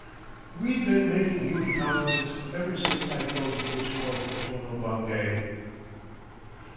We been making human confidence ever since I drove the first cork of Tono Bungay."